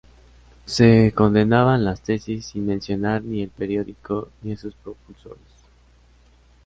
Se condenaban las tesis sin mencionar ni el periódico ni a sus propulsores.